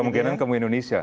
kemungkinan ke indonesia